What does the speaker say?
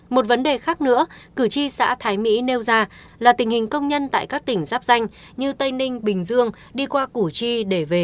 một vấn đề khác nữa cử tri xã thái mỹ nêu ra là tình hình công nhân tại các tỉnh giáp danh như tây ninh bình dương đi qua củ chi để về